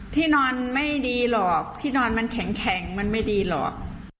ที่นอนไม่ดีหรอกที่นอนมันแข็งมันไม่ดีหรอก